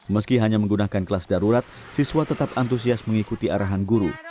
meski hanya menggunakan kelas darurat siswa tetap antusias mengikuti arahan guru